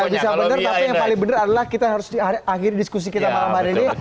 gak bisa bener tapi yang paling bener adalah kita harus diakhiri diskusi kita malam hari ini